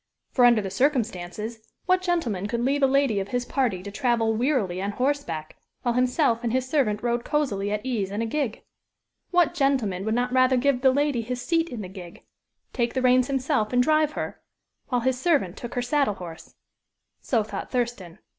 For, under the circumstances, what gentleman could leave a lady of his party to travel wearily on horseback, while himself and his servant rode cosily at ease in a gig? What gentleman would not rather give the lady his seat in the gig take the reins himself and drive her, while his servant took her saddle horse. So thought Thurston.